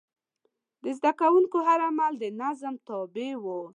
د زده کوونکو هر عمل د نظم تابع و.